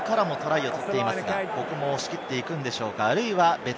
モールからもトライを取っていますが、ここも押し切っていくのでしょうか？